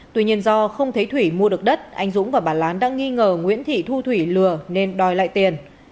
tuy nhiên do không thấy thủy mua được đất anh dũng và bà lán đang nghi ngờ nguyễn thị thu thủy lừa nên đòi lại tiền